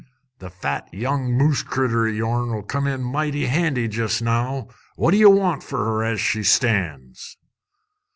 That fat young moose critter o' yourn'll come in mighty handy jest now. What d'ye want fer her as she stands?"